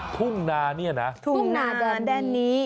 ทุ่งนานี่นะทุ่งนาแดนนี้